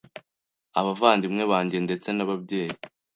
abavandimwe banjye ndetse n’ababyeyi